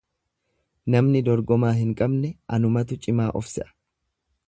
Namni dorgomaa hin qabne anumatu cimaa of se'a.